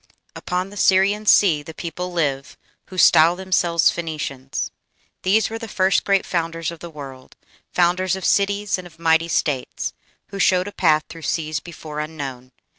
Upon the Syrian sea the people live Who style themselves Phoenicians.... These were the first great founders of the world Founders of cities and of mighty states Who showed a path through seas before unknown.